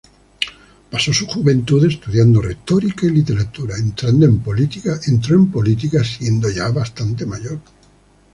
Pasó su juventud estudiando retórica y literatura, entrando en política siendo ya bastante mayor.